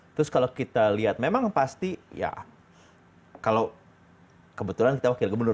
terus kalau kita lihat memang pasti ya kalau kebetulan kita wakil gubernur